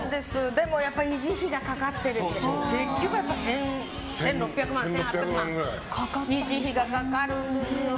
でも維持費がかかって結局１６００万、１８００万維持費がかかるんですよね。